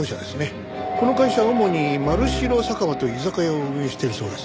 この会社は主にまるしろ酒場という居酒屋を運営しているそうです。